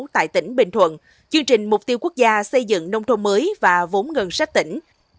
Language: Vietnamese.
tại tỉnh bình thuận chương trình mục tiêu quốc gia xây dựng nông thôn mới và vốn ngân sách tỉnh